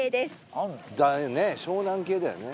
だよね